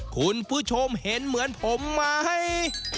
คุณผู้ชมเห็นเหมือนผมไหม